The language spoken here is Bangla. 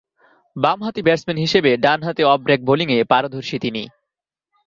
বামহাতি ব্যাটসম্যান হিসেবে ডানহাতে অফ ব্রেক বোলিংয়ে পারদর্শী তিনি।